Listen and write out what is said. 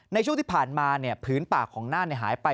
ในช่วงที่ผ่านมาผืนป่าของน่านหายไป